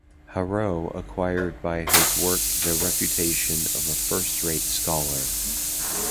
Haureau acquired by his work the reputation of a first-rate scholar.